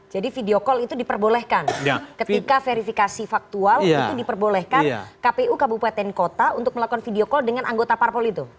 video call itu diperbolehkan ketika verifikasi faktual itu diperbolehkan kpu kabupaten kota untuk melakukan video call dengan anggota parpol itu